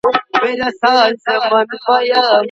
مرکزي کتابتون بې ارزوني نه تایید کیږي.